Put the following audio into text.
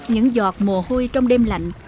những giọt mùa hôi trong đêm lạnh